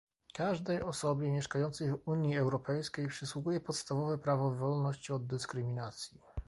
Każdej osobie miszkającej w Unii Europejskiej przysługuje podstawowe prawo wolności od dyskryminacji